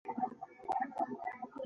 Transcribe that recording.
چا چې ورته غوږ نیولی دا حقیقت دی.